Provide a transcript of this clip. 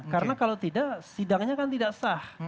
karena kalau tidak sidangnya kan tidak sah